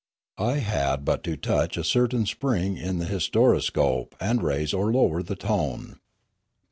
I had but to touch a certain spring in the historoscope, and raise or lower the tone.